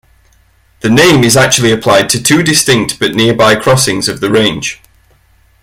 The name is actually applied to two distinct but nearby crossings of the range.